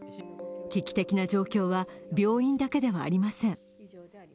危機的な状況は病院だけではありません。